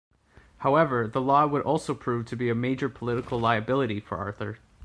However, the law would also prove to be a major political liability for Arthur.